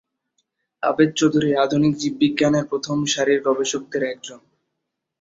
আবেদ চৌধুরী আধুনিক জীববিজ্ঞানের প্রথম সারির গবেষকদের একজন।